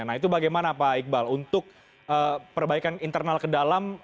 nah itu bagaimana pak iqbal untuk perbaikan internal ke dalam